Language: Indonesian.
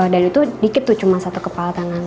dan itu dikit tuh cuma satu kepala tangan